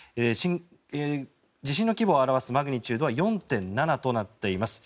地震の規模を表すマグニチュードは４．７となっております。